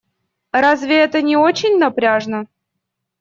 Разве это не очень напряжно?